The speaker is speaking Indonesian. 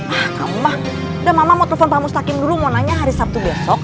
ah kamu mah udah mama mau telepon pak mustaqim dulu mau nanya hari sabtu besok